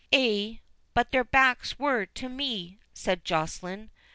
"Ay, but their backs were to me," said Joceline.